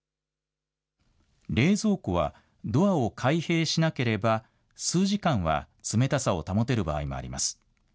冷蔵庫はドアを開閉しなければ数時間は冷たさを保てる場合もあります。